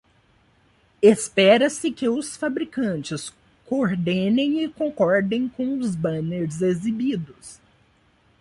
Espera-se que os fabricantes coordenem e concordem com os banners exibidos.